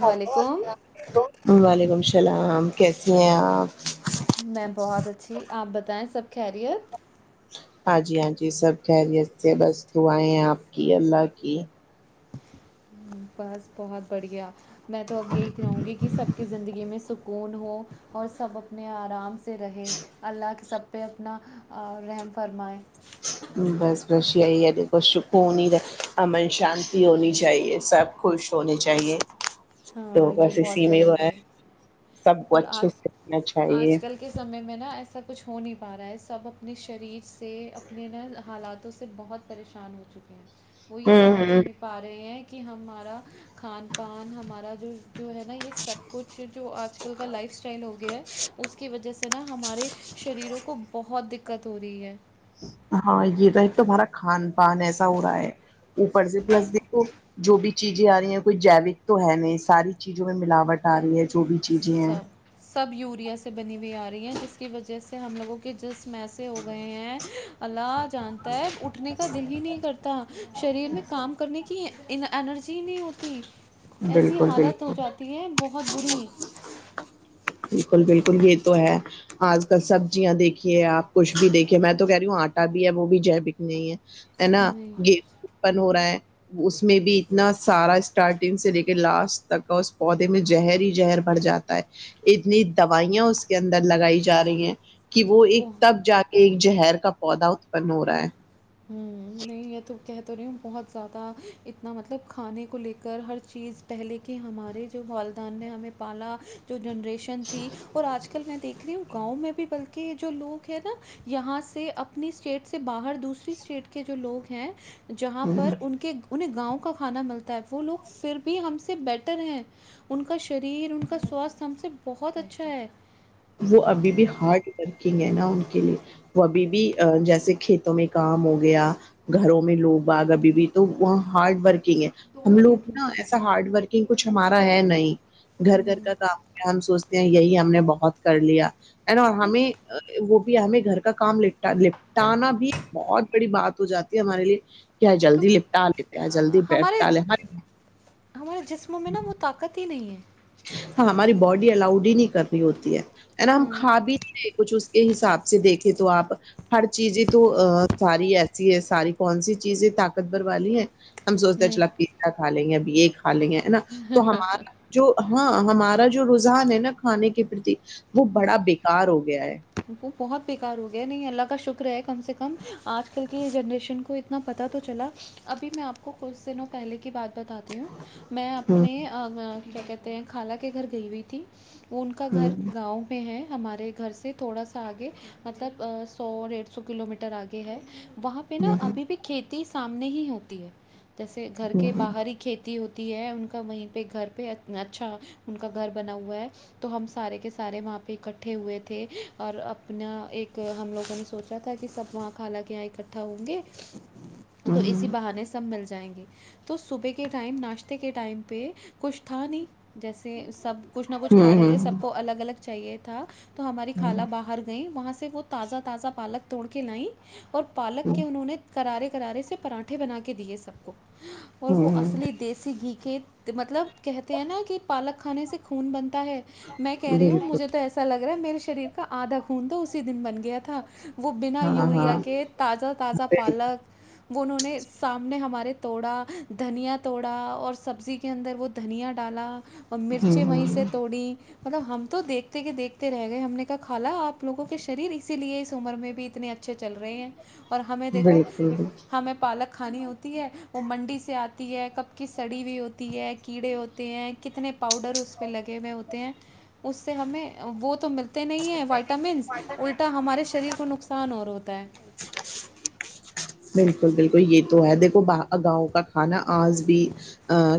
و علیکم السلام وعلیکم السلام ہم کیسی ہیں آپ میں بہت اچھی آپ بتائیں سب خیریت ہاجی ہاں جی سب خیریت سے بس دعائیں آپ کی اللہ کی بس بہت بڑھیا میں تو اب یہی کہوں گی کہ سب کی زندگی میں سبکھ کوون ہو اور سب اپنے آرام سے رہے اللہ کے سب پہ اپنا رحم فرمائیں بس بس یہی ہے د پش کونییر امل شانتی ہونی چاہیے سب خوش ہونے چاہیے تو ہاں یہ بس اسی بہت میں وہ ہے ضروری ہے سب کو پر اچھے آج سے رنا آج چاہیے کل کے سمے میں نا ایسا کچھ ہو نہیں پا رہا ہے سب اپنے شریر سے اپنے نا حالاتوں سے بہت پریشان ہو چکے ہیں وہ یہ سمجھ ہی ہ نہیں پا رہے ہیں کہ کہ ہمارا کھان پان ہمارا اد جو ہے نا یہ سب کچھ جو آ آج کل کا لائف ٹن ہو گیا ہے اس کی وجہ سے نا ہمارے شریروں کو بہت دقت ہو رہی ہے ہاں یہ تھا ایک تومارا کھان پان ایسا ہو رہا ہے اوپر سے پلس دیک جو بھی چیزیں آ رہی ہیں کوئی جیوک تو ہے میں ساری چیزوں میں ملاوٹ آ رہی ہے جو بھی چیزیں ہیں سب سب یوریا سے بنی ہوئی آ رہی ہیں جس کی وجہ سے ہم لوگوں کے جسم ایسے ہو گئے ہیں علاج جانتا ہے اٹھنے کے کا دل ہی نہیں کرتا شریر میں کام کرنے کے کہ انرجی نہیں ہوتی ایسی بالکل حالت بالکل ہو جاتی ہے بہت بری بالکل بالکل یہ تو ہے آج کل سبزیاں دیکھیے آپ کچھ بھی دیکھیے میں تو کہہ رہی ہوں آٹا بھی ہے وہ بھی جیویک نہیں ہے ہے نا نہیں گہوں بند ہو رہا ہے اس میں بھی اتنا سارا اسٹارٹ اس کے لاسٹ تک اس پودے میں زہر ہی زہر بڑ جاتا ہے اتنی دوائیاں اس کے اندر لگائی جا رہی ہیں کہ وہ ایک تب جا کے ایک زہر کا پودھا بند ہو رہا ہے ہ نہیں یہ تو کہ تو رہی ہوں بہت زیادہ اتنا مطلب کھانے کو لے کر ہر چیز پہلے کی ہمارے جو والدین نے ہمیں پالا جو جنریشن تھی اور آج کل میں دیکھ رہی ہوں گاؤں میں بھی بلکہ جو لوگ ہے نا یہاں سے اپنی اسٹیٹ سے باہر دوسرے اسٹیٹ کے جو لوگ ہیں جہاں ہ پر ان کے انہیں گاؤں کا کھانا ملتا ہے وہ لوگ پھر بھی ہم سے بیٹر ہیں ان کا شریر ان کا سواستھ ہم سے بہت اچھا ہے وہ ابھی بھی ہارڈ لگے گے نا ان کے لیے وہ ابھی بھی جیسے کھیتوں میں کام ہو گیا گھروں میں لوگ باغ ابھی بھی تو وہاں ہارڈ ورک ہم لوگ نا ایسا ہارڈ ورکنگ کچھ ہمارا ہے نہیں ہے۔ گھر گھر ہوں کا کام ہے ہم سوچتے ہیں یہی ہم نے بہت کر لیا ہیں نہ نہیں ہمیں ہمیں گھر کا کام بھی نیپٹانا بھی بہت بڑی بات ہو جاتی ہے ہمارے لیے کیا جلدی لپٹا لیتے ہیں جلدی کیونکہ ہمارے لپٹا لے ہمارے جسموں میں نا وہ طاقت ہی نہیں ہے ہاں ہماری باڈی الاؤڈ ہی نہیں کر رہی ہوتی ہے ہے نا ہم ہوں کھا بھی نہیں رہے ہیں کچھ اس کے حساب سے دیکھ تو آپ ہر چیزیں تو ساری ایسی ہے ساری کون سی چیزیں طاقت بھر والی ہیں ہم سوچتے ہیں نہیں چل پیزا کھا لیں گے ایک پھا لیں نا تو ہمارا جو ہاں ہمارا جو رجحان ہے نا کھانے کے پرتی وہ بڑا بیکار ہو گیا ہے وہ بہت بیکار ہو گیا نہیں اللہ کا شکر ہے کم سے کم آج کل کی جنریشن کو اتنا پتہ تو چلا ابھی میں آپ کو کچھ دنوں پہلے کی بات بتاتی ہوں میں ہوں اپنے کیا کہتے ہیں خالاہ کے گھر گئی ہوئی تھی وہ ان کا گھر ہوں گاؤں میں ہے ہمارے گھر سے تھوڑا سا آگے مطلب سو ڈیڑھ سو کلو میٹر آگے ہے وہاں پہ نا ہوں ابھی بھی کھیتی سام نہیں ہوتی ہے جیسے گھر کے ہوں باہری کھیتی ہوتی ہے ان کا وہیں پہ گھر پہ اچھا ان کا گھر بنا ہوا ہے تو ہم سارے کے سارے وہاں پہ اکٹھے ہوئے تھے اور اپنا ایک ہم لوگوں نے سوچا تھا کہ سب وہاں کال کے یہاں اکٹھا ہوں گے ہوں تو اسی بہانے سب مل جائیں گے تو صبح کے ٹائم ناشتے کے ٹائم پہ کچھ تھا نہیں جیسے سب کچھ نہ کچھ کھا رہے تھے سب ہوں کو الگ الگ چاہیے تھا تو ہماری خال ہوں باہر گئییں وہاں سے وہ تازہ تازہ پالک توڑ کے ل اور پالک کے انہوں نے کرارے کرارے سے پراٹھے بنا کے دیے سب کو اور ہوں وہ ہوں اصلی دیسی گھی کہ مطلب کہتے ہیں نا کہ پالک کھانے سے خون بن ہے میں کہہ ہوں بالکل مجے تو ایسا لگا میرےریر کا آھا ک خ تو اسی دن بن گیا تھا وہ بنا ہاں ہاں یوریا کے تازہ تازا بالکل پالک وہ انہوں نے سامنے ہمارے توڑا دھنیا توڑا اور سبزی کے اندر وہ دھنیا ڈالا اور ہوں مرچیں وہیں سے ہوں توڑی پرب ہم تو دیکھتے کہ دیکھتے رہ گئے ہم نے کہ کھالا آپ لووں کے شریر اسی لیے عمر میں بھی اتنے اچھے چل رہے ہیں اور ہمیں دیکھو بالکل ہمیں پالک کھانی ہوتی ہے وہ منڈی سے آتی ہے کب کی سڑی ہوئی ہوتی ہے کیڑے ہوتے ہیں کتنے پاؤڈر اس پہ لگے ہوئے ہوتے ہیں اس سے ہمیں وہ تو ملتے نہیں ہیں وائٹامنس الٹا ہمارے شریر کو نقصان اور ہوتا ہے بالکل بالکل یہ تو ہے دیکھو گاؤں کا کھانا آج بھی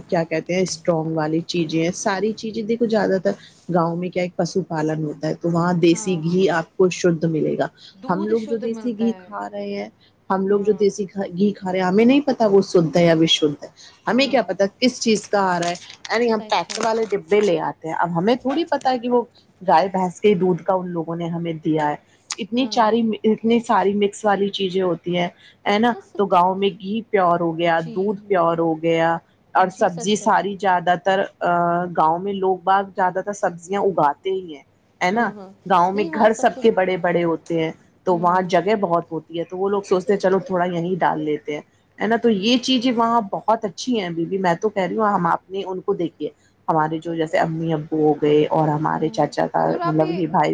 کیا کہتے ہیں اسٹرانگ والی چیزیں ہیں ساری چیزیں دیکھو زیادہ تر گاؤں میں کیا ایک پشو پالن ہوتا ہے تو وہاں دیسی ہاں گھی آپ کو شدھ ملےا ہم دودھ لوگ جو شدھ دیسی گھی ملتا ہے کھا رہے ہیں ہم لوگ جو ہاں دیسی گھی کھا رہے ہیں ہمیں نہیں بتا وہ شدھ یا شھ ہے ہمیں کیا ہاں پتا کس چیز کا آ رہا ہے یعنی ہم پیک سچائی والے ڈبے لے آتے ہیں اب ہمیں تھوڑی پتا ہے کہ وہ گائے بھینس یہ دودھ کا ان لوگوں نے ہمیں دیا ہے اتنی ہاں چاری اتنی ساری مکس والی چیزیں ہوتی ہیں ہے نا ہاں تو سچ گاؤں میں گھی پیور ہو گیا جی دودھ پیور ہو گیا اور جی سبزی سچائی ساری زیادہ تر ا گاؤں میں لوگ باغ زیادہ تر سبزیاں اگاتے ہی ہیں ہے ہاں نا ہاں گاؤں میں نہیں وہاں گھر سب کے کچھ بڑے بڑے ہوتے ہیں تو وہاں ہوں جگہ بہت ہوتی تو وہ لوگ سوچتے ہیں چلو تھوڑا یہیں ڈال لیتے ہیں ہے نا تو یہ چیز ہے وہاں بہ بہت اچھی ہے بی بیی میں تو کہہ رہی ہوں ہم اپنے ان کو دیکھیے ہمارے جو جیسے امی ا ہ گئے اور ہاں ہمارے چاچا کا حضور آپ مطلب یہ بھائی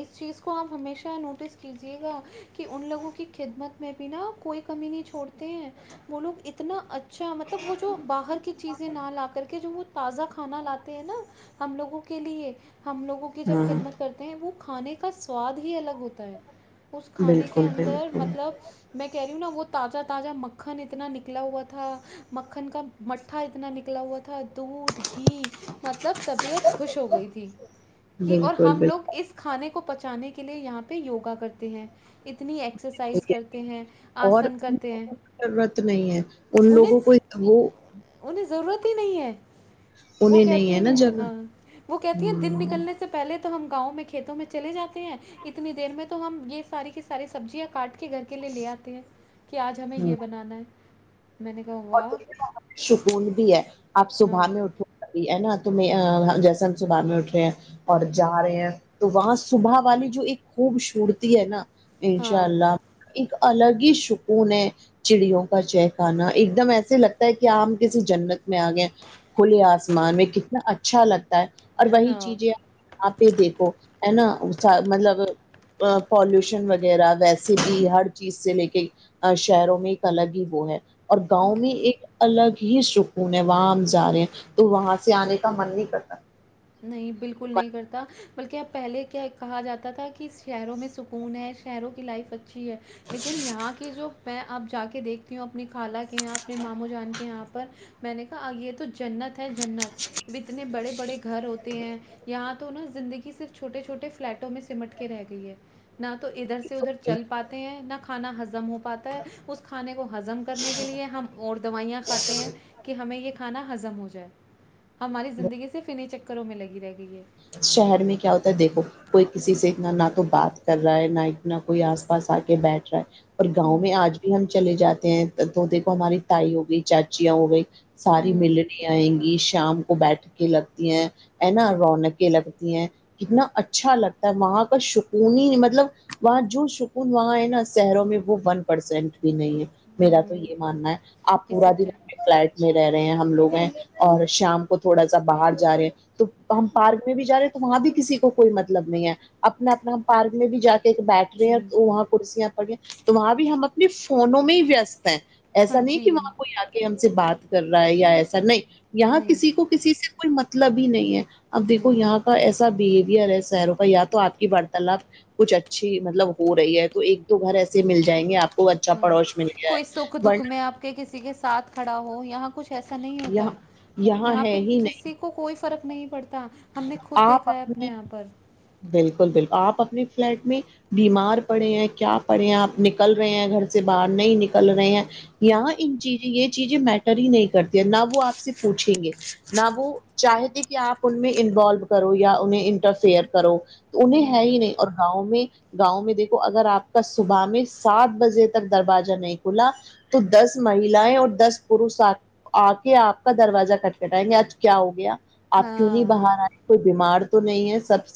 اس چیز کو ہم ہمیشہ نوٹس کیجیے گا کہ ان لوگوں کی خدمت میں بھی ناا کوئی کمی نہیں چھوڑتے ہیں وہ لوگ اتنا اچ اچھا مطلب وہ جو باہر کی چیزیں نہ لا کر کے جو وہ تازہ کھانا لاتے ہیں نا ہم لوگوں کو کے لیے ہم لوگوں کی جب ہاں خدمت کرتے ہیں وہ کھانے کا سواد ہی الگ ہوتا ہے اس کھانے کے بالکل اندر بالکل مطلب میں کہہ رہی ہوں نا وہ تازہ تازہ مکھن اتنا نکلا ہوا تھا مکھن کا مٹھا اتنا نکلا ہوا تھا دودھ گھی مطلب بالکل [unintelligible] [unintelligible] بالکل اور ان لوگوں کو ضرورت نہیں [unintelligible] ہے ان لوگوں کو وہ [unintelligible] وہ کہتی ہیں [unintelligible] ہوں ہوں [unintelligible] [unintelligible] [unintelligible] [unintelligible] میں نے کہا واہ [unintelligible] انشاء ہاں االلہ الگ ہی سکون ہے چڑیوں کا چہکنے اک دم ایسا لگتا ہے ہم کسی جنت میں آگئے ہیں کھلے آسمان میں کتنا اچھا لگتا ہے اور وہی ہاں چیزے آپ بھی دیکھو مطلب پولیوشن وغیرہ ویسے بھی ہر چیز کو لیکر شہرو میں ایک الگ ہی وہ ہے اور گاؤں میں ایک الگ تو وہاں سے آنے کا من نہیں کرتا نہیں بالکل نہیں کرتا بلکہ پہلے کیا کہا جاتا تھا کہ شہر و میں سکون ہے شہرو ں کی لائف اچھی لیکن یہاں کی جو دیکھتی ہو اپنی خالا کے یہاں پہ مامو جانکے یہاں پہ امیں نے کہا ہو یہ تو جنت ہے جنت گھر ہوتے ہے یہاں تو نہ زندگی صرف چھوٹے چھوٹے فلیٹوں میں سمٹ کے ره گئی ہے [unintelligible] [unintelligible] اس کھانے کو ہضم کرنے کیلئے ہم اور دوائیاں کھاتے ہیں اور کھانا ہضم ہو جائے ہماری زندگی سے انہیں چکروں میں لگی رہ گئی شہر میں کیا ہوتا ہے دیکھو کوئی کسی سے اتنا تو بات کر رہا ہے نہ اتنا کوئی اس پاس ا کے بیٹھ رہا ہے اور گاؤں ہوں میں آج بھی ہم چلے جاتے ہیں دیکھو ہماری تائی ہو گئی چاچیاں ہو گئی ساری ہوں ملنی آئیں گی شام کو بیٹھ کے لگتی ہیں ہینا رونق لگتی ہیں کتنا اچھا لگتا ہے وہاں کا سکون ہی مطلب وہاں جو سکون وہاں ہے نہ شہروں میں وہ ون پرسینٹ نہیں ہے میرا تو ہوں یہ ماننا ہے آپ یہ پورا سچ دن ہے اپنے فلیٹ میں رہ رہے ہیں ہم لوگ ہیں اور شام کو تھوڑا سا باہر جا رہے تو ہم بھی جا رہے تو وہاں بھی کسی کو کوئی مطلب نہیں ہے اپنا اپنا ہم پارک میں بھی جا کے ایک بیٹھ رہی جی ہیں وہاں کرسیا پڑ گیا تو وہاں بھی ہم فونوں میں ہی ویست ہے ہاں ایسا نہیں جی کہ وہاں کوئی آ کے ہم سے بات کر رہا ہے یا ایسے سر نہیں یہاں نہیں کسی کو کسی سے کوئی مطلب ہی نہیں ہے اب دیکھو جی یہاں کا ایسا بہیویئر ہے شہروں کا یا تو آپ کی بڑ تلب کچھ اچھی مطلب ہو رہی ہے تو ایک دو گھر ایسے مل جائیں گے آپ کو اچھا ہمم پڑوس مل جائے کوئی سکھ دکھ ورنہ میں آپ کے کسی کے ساتھ کھڑا ہو یہاں کچھ ایسا نہیں ہوتا یہاں یہاں ہے پہ ہی نہیں کسی کو کوئی فرق نہیں پڑتا ہم نے خود آپ دیکھا ہے اپنے اپنی یہاں پر بالکل بالکل آپ اپنی اپنے فلیٹ میں بیمار پڑے ہیں کیا پڑے ہیں آپ نکل رہے ہیں گھر سے باہر نہیں نکل رہے ہیں یا ہوں انجریئر چیزیں میٹر ہی نہیں کرتی نہ وہ آپ سے پوچھیں گے نہ وہ چاہے تھے کہ آپ ان انوالو کرو یا انہیں انٹرفیئر کرو انہیں ہے ہوں ہی نہیں اور گاؤں میں گاؤں میں دیکھو اگر آپ کا صبح میں سات بجے تک دروازہ نہیں کھلا تو دس مہیلایں اور دس پوش آ کے آپ کا دروجازہ کٹ کٹائیں گے آج کیا ہو گیا آپ چنی ہاں باہر آئی کوئی بیمار تو نہیں ہے سب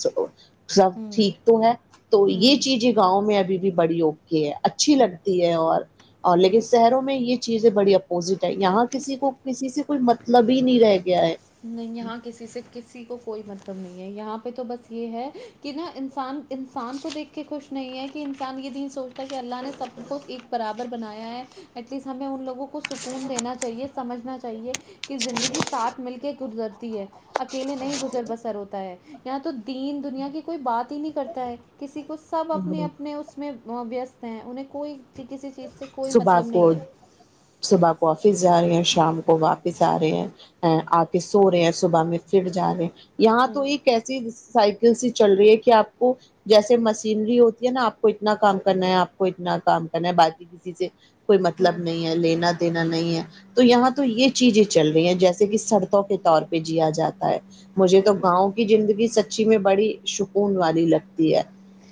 سب ہوں ٹھیک تو ہے تو یہ ہوں چیزیں گاؤں میں ابھی بھی بڑی اوکے ہے اچھی ہوں لگتی ہے اور اور لیکن یہ شہروں میں یہ چیزیں بڑی اپوزٹ ہے یہاں کسی کو کسی سے کوئی مطلب ہی نہیں رہ گیا ہے نہیں یہاں کسی سے کسی کو کوئی مطلب نہیں ہے یہاں پہ تو بس یہ ہے کہ نہ انسان انسان کو دیکھ کے خوش نہیں ہے کہ انسان یہ نہیں سوچ تا کہ اللہ نے سب کو ایک برابر بنایا ہیں ایٹلیسٹ ہمیں ان لوگوں کو کو سکون دینا چاہیے سمجھنا چاہیے کہ زندگی ساتھ مل کے خدگرز تی ہے اکیلے نہیں گزر بسر ہوتا ہے یہاں تو دین دنیا کی کوئی بات ہی نہیں کرتا ہے کسی کو سب اپنے اپنے اس میں وہ ویست ہیں انہیں کوئی کسی چیز سے کوئی صبح مطلب نہیں کو ہے صبح کو آفس جا رہے یا شام کو واپس س آ رہے ہیں ا کے سو رہے ہیں صبح میں پھر جا رہے ہیں یہاں تو ہوں ایک ایسی سائ کل سی چل رہی ہے کہ آپ کو جیسے مشینری ہوتی ہے نہ آپ کو اتنا کام کرنا ہے آپ کو اتنا کام باقی کسی سے کوئی مطلب ہوں نہیں ہے لینا دینا نہیں ہے تو یہاں تو یہ چیزیں چل رہی ہیں جیسے کہ شرتوں کے طور پہ جیا جاتا ہے مجھے تو گاؤں کی زندگی س چی میں بڑی سکون والی لگتی ہے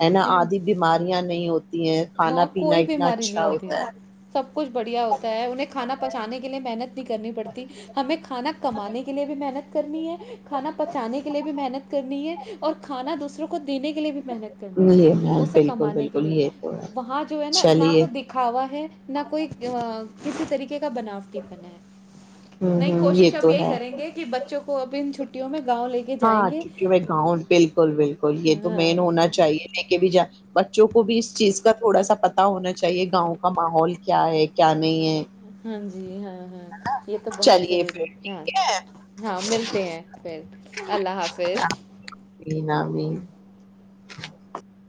ہے نہ لیکن آدھی بیماریاں نہیں ہوتی ہیں کھانا وہاں پینا کوئی بیماری اچھا نہیں ہوتی ہوتا ہے سب کچھ بڑھیا ہوتا ہے انہیں کھانا پچانے کے لیے محنت نہیں کرنی پڑتی ہمیں ک کھانا کمانے کے لیے بھی محنت کرنی ہے کھانا پچانے کے لیے بھی محنت کرنی ہے اور کھانا دوسروں کو دینے کے لیے بھی محنت کرنی ہے یہ اسے بالکل کمانے کے بالکل لیے یہ تو ہے وہاں جو ہے نا نہ چلیے تو دکھاوا ہے نہ کوئی کسی طریقے کا بناوٹی پن ہے ہوں نہیں ہوں یہ کوشش اب تو یہی ہے کریں گے کہ بچوں کو کو اب ان چھٹیوں میں گاؤں لے کے جائیں ہاں گے چھوٹی میں گاؤں بلکل بلکل یہ تو ہاں مین ہونا چاہیے لیکے بھی جا بچوں کو بھی اس چیز کا تھوڑا سا پتا ہونا چاہیے گاؤں کا ماحول کیا ہے کیا نہیں ہے ہاں جی ہاں ہ یہ تو بہت چلیے پھر ضروری ہ ٹھیک ہے ہاں ملتے ہیں پھر اللہ حافظ امین امین [inaudible]